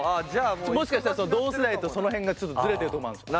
もしかしたら同世代とその辺がちょっとずれてるとこもあるんですよ。